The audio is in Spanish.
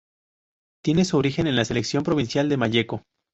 Tiene su origen en la Selección Provincial de Malleco.